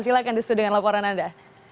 silahkan destu dengan laporan anda